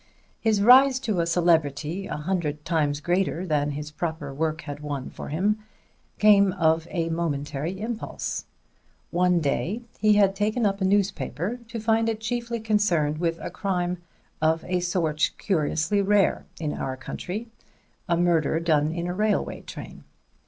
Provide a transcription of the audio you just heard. His rise to a celebrity a hundred times greater than his proper work had won for him came of a momentary impulse. One day he had taken up a newspaper to find it chiefly concerned with a crime of a sort curiously rare in our country: a murder done in a railway train.